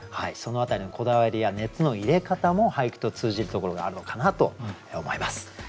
その辺りのこだわりや熱の入れ方も俳句と通じるところがあるのかなと思います。